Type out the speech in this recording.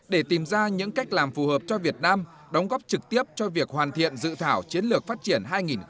để tìm ra những cách làm phù hợp cho việt nam đóng góp trực tiếp cho việc hoàn thiện dự thảo chiến lược phát triển